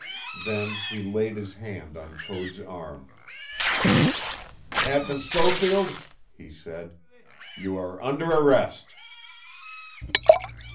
Then he laid his hand on Code's arm. "Captain Schofield," he said, "you are under arrest!"